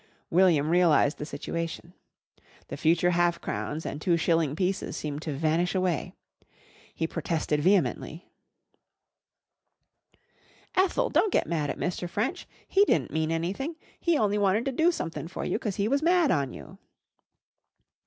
William realised the situation. The future half crowns and two shilling pieces seemed to vanish away. He protested vehemently. "Ethel, don't get mad at Mr. French. He di'n't mean anything! He only wanted to do sumthin' for you 'cause he was mad on you."